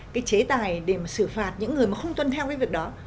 cái chế tài để mà xử phạt những người mà không tuân theo cái việc đó